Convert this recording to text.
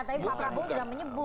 tapi pak prabowo sudah menyebut